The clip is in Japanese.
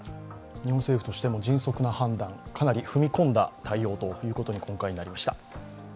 日本政府としても迅速な判断、かなり踏み込んだ対応ということに今回なりました。